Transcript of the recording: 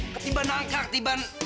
ketiban angka ketiban